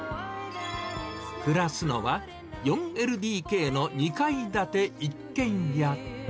暮らすのは、４ＬＤＫの２階建て一軒家。